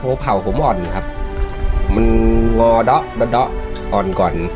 เพราะเผาผมอ่อนครับมันงอด๊ะอ่อนก่อน